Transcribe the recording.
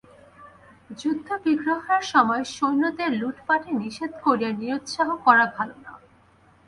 যুদ্ধবিগ্রহের সময় সৈন্যদের লুঠপাটে নিষেধ করিয়া নিরুৎসাহ করা ভালো না।